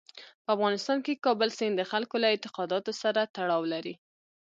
په افغانستان کې کابل سیند د خلکو له اعتقاداتو سره تړاو لري.